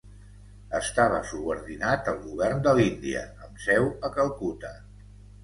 Estava subordinat al govern de l'Índia amb seu a Calcuta.